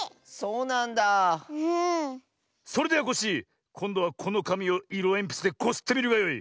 それではコッシーこんどはこのかみをいろえんぴつでこすってみるがよい。